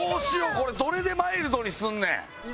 これどれでマイルドにすんねん！